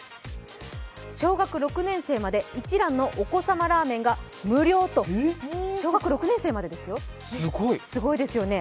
小学６年生まで一蘭のお子様ラーメンが無料、小学６年生までですよ、すごいですね。